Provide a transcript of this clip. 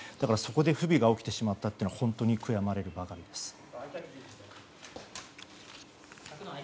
そこで不備が起きてしまったのは本当に悔やまれるばかりです。